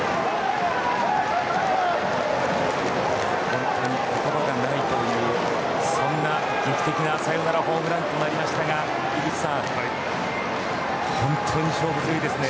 本当に言葉がないという劇的なサヨナラホームランでしたが井口さん、本当に勝負強いですね。